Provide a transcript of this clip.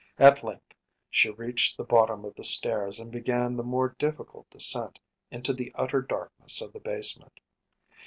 At length she reached the bottom of the stairs and began the more difficult descent into the utter darkness of the basement.